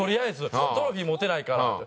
トロフィー持てないからって。